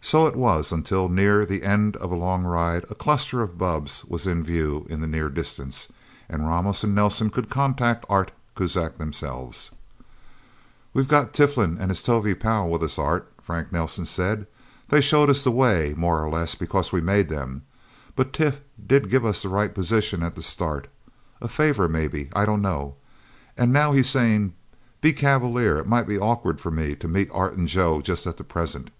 So it was, until, near the end of a long ride, a cluster of bubbs was in view in the near distance, and Ramos and Nelsen could contact Art Kuzak themselves. "We've got Tiflin and his Tovie pal with us, Art," Frank Nelsen said. "They showed us the way, more or less because we made them. But Tif did give us the right position at the start. A favor, maybe. I don't know. And now he's saying, 'Be cavalier it might be awkward for me to meet Art and Joe just at present.'